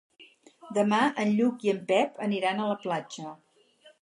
Demà en Lluc i en Pep aniran a la platja.